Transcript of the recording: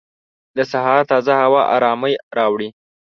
د سهار تازه هوا ارامۍ راوړي.